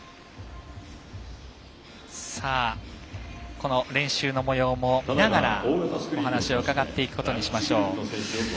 この練習のもようも見ながらお話を伺っていくことにしましょう。